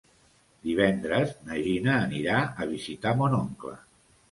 Divendres na Gina anirà a visitar mon oncle.